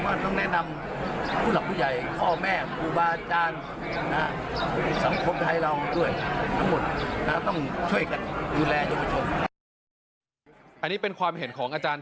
ว่าต้องแนะนำผู้หลักผู้ใหญ่พ่อแม่ครูบาอาจารย์